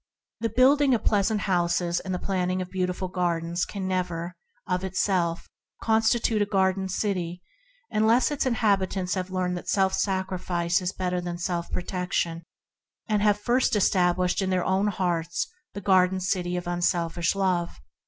The building of pleasant houses and the planting of beautiful orchards and gardens can never, of itself, constitute an ideal city unless its inhabitants have learned that self sacrifice is better than self protection, and have first established in their own hearts a city of divine love.